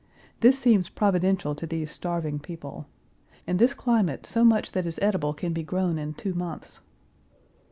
This seems providential to these starving people. In this climate so much that is edible can be grown in two months.